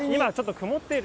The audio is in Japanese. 曇っている。